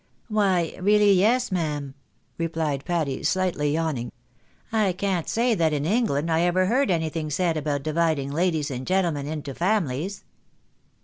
" Why, really yes, ma'am," replied Patty, slightly yawning, ■" I can't say that in England I ever heard anything said about dividing ladies and gentlemen into families."